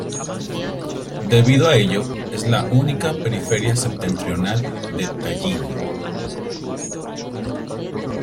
Debido a ello, es la única periferia septentrional de Tallin.